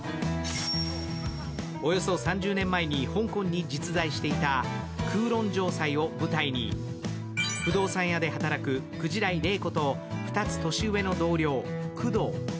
およそ３０年前に香港に実在していた九龍城砦を舞台に不動産屋で働く鯨井令子と２つ年上の同僚、工藤。